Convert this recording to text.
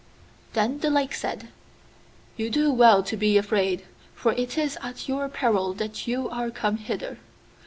Then the Lake said, 'You do well to be afraid, for it is at your peril that you are come hither.